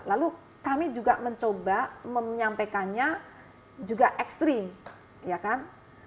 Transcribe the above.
lalu kami juga mencoba menyampaikannya juga ekstrim ya kan